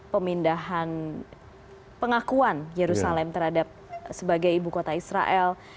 pemindahan pengakuan yerusalem terhadap sebagai ibu kota israel